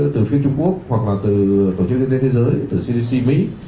từ phía trung quốc hoặc là từ tổ chức y tế thế giới từ cdc mỹ